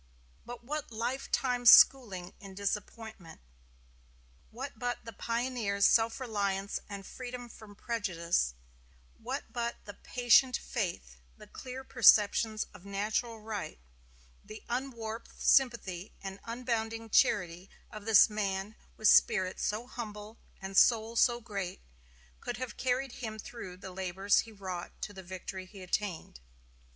What but lifetime schooling in disappointment; what but the pioneer's self reliance and freedom from prejudice; what but the patient faith, the clear perceptions of natural right, the unwarped sympathy and unbounding charity of this man with spirit so humble and soul so great, could have carried him through the labors he wrought to the victory he attained?